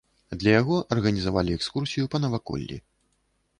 Для яго арганізавалі экскурсію па наваколлі.